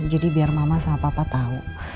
jadi biar mama sama papa tahu